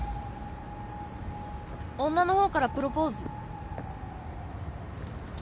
女のほうからプロポーズ。